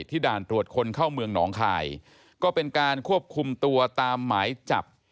ด่านตรวจคนเข้าเมืองหนองคายก็เป็นการควบคุมตัวตามหมายจับ